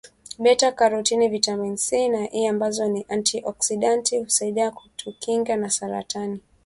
beta karotini vitamini C na E ambazo ni anti oksidanti husaidia kutukinga na saratani